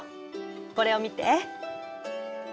これを見て。